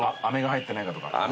あめが入ってないかとか？